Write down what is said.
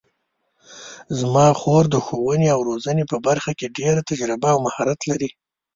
زما خور د ښوونې او روزنې په برخه کې ډېره تجربه او مهارت لري